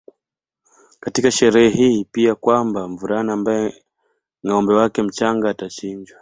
katika sherehe hii pia kwamba mvulana ambaye ngâombe wake mchanga atachinjwa